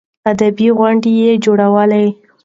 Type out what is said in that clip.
ادبي غونډې يې جوړولې.